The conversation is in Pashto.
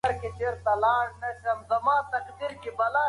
پاڼې خپلې مور ته د ناهیلۍ یو سوړ اسوېلی وویست.